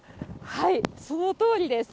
そのとおりです。